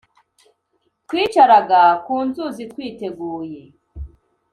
Twicaraga ku nzuzi twiteguye